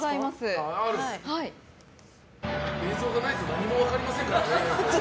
映像がないと何も分かりませんからね。